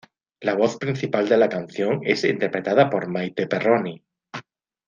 La voz principal de la canción es interpretada por Maite Perroni.